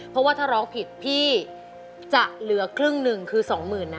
เพราะว่าถ้าร้องผิดพี่จะเหลือครึ่งหนึ่งคือสองหมื่นนะ